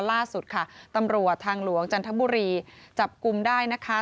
ล่าสุดค่ะตำรวจทางหลวงจันทบุรีจับกลุ่มได้นะคะ